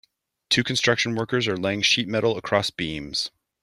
Two construction workers are laying sheet metal across beams.